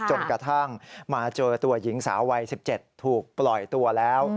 จนกระทั่งมาเจอตัวหญิงสาววัย๑๗ถูกปล่อยตัวแล้ว